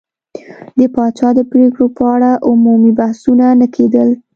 د پاچا د پرېکړو په اړه عمومي بحثونه نه کېدل.